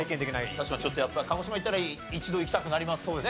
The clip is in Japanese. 確かにちょっとやっぱ鹿児島行ったら一度行きたくなりますもんね。